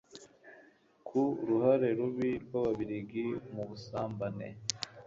ku ruhare rubi rw'ababiligi mu busumbane